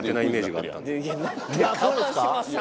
いやそうですか？